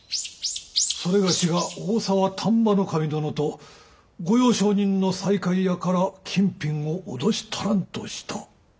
某が大沢丹波守殿と御用商人の西海屋から金品を脅し取らんとした？